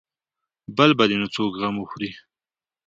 بل به دې نو څوک غم وخوري.